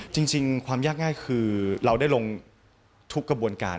จริงความยากง่ายคือเราได้ลงทุกกระบวนการ